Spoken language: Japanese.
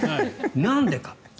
なんでか。